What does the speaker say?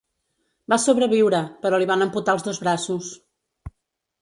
Va sobreviure, però li van amputar els dos braços.